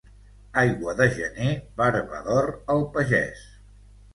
Aigua de gener, barba d'or al pagès.